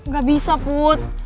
gak bisa put